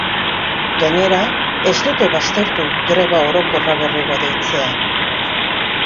Gainera, ez dute baztertu greba orokorra berriro deitzea.